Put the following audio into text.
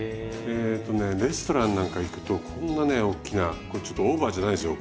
えとねレストランなんか行くとこんなね大きなこれちょっとオーバーじゃないですよ